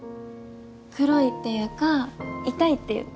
黒いっていうかイタいっていうか。